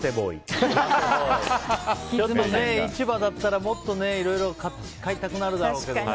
ちょっと市場だったらもっといろいろ買いたくなるだろうけどね。